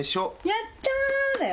やったーだよ。